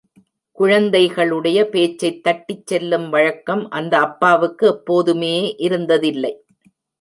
குழந்தைகளுடைய பேச்சைத் தட்டிச் சொல்லும் வழக்கம் அந்த அப்பாவுக்கு எப்போதுமே இருந்ததில்லை.